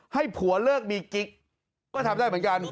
ให้ผัวเลิกมีกิ๊กก็ทำได้เหมือนกัน